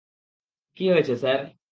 কী হয়েছে, স্যার?